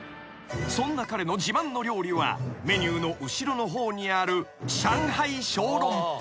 ［そんな彼の自慢の料理はメニューの後ろの方にある上海小籠包］